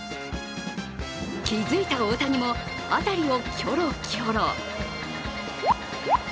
気づいた大谷も辺りをキョロキョロ。